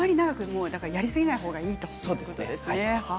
やりすぎないほうがいいということですね。